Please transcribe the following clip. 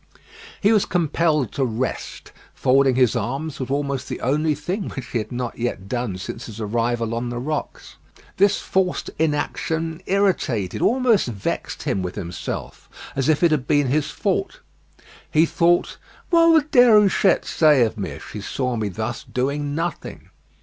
He was compelled to rest. Folding his arms was almost the only thing which he had not yet done since his arrival on the rocks. This forced inaction irritated, almost vexed him with himself, as if it had been his fault. He thought "what would Déruchette say of me if she saw me thus doing nothing?"